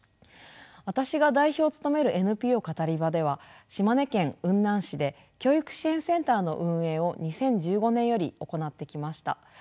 私が代表を務めるＮＰＯカタリバでは島根県雲南市で教育支援センターの運営を２０１５年より行ってきました。